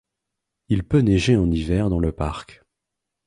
Il peut neiger en hiver dans le parc.